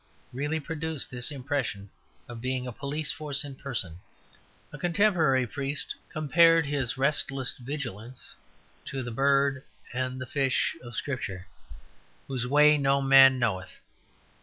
really produced this impression of being a police force in person; a contemporary priest compared his restless vigilance to the bird and the fish of scripture whose way no man knoweth.